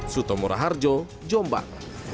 sutomura harjo jombak